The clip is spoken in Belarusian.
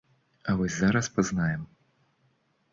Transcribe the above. А вось зараз спазнаем.